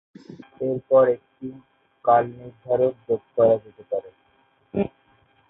এরপর একটি কাল নির্ধারক যোগ করা যেতে পারে।